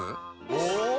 お！